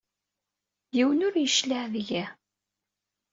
Yiwen ur d-yecliɛ deg-i.